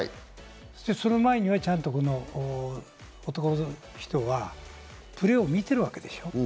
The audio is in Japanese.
その前には男の人はプレーを見てるわけでしょう。